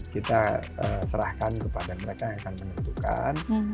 kita serahkan kepada mereka yang akan menentukan